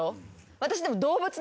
私でも。